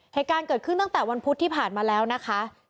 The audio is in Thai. เหตุการณ์เกิดขึ้นตั้งแต่วันพุธที่ผ่านมาแล้วนะคะ